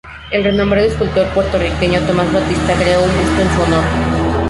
El renombrado escultor puertorriqueño Tomas Batista creó un busto en su honor.